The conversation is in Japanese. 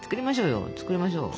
作りましょうよ。